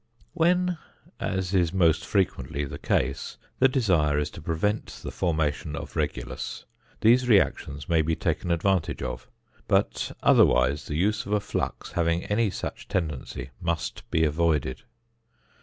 When (as is most frequently the case) the desire is to prevent the formation of regulus, these reactions may be taken advantage of, but otherwise the use of a flux having any such tendency must be avoided.